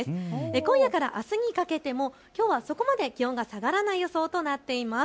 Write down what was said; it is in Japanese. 今夜からあすにかけてもきょうはそこまで気温が下がらない予想となっています。